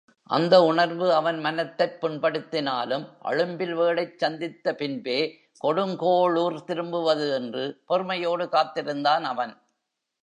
அந்த உணர்வு அவன் மனத்தைப் புண்படுத்தினாலும் அழும்பில்வேளைச் சந்தித்த பின்பே கொடுங்கோளுர் திரும்புவது என்று பொறுமையோடு காத்திருந்தான் அவன்.